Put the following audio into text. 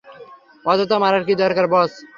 অযথা মারার কী দরকার, বস?